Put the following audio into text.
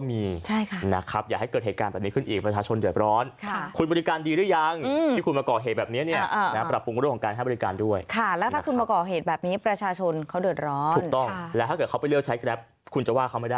พี่วินยังบอกว่าเร็ว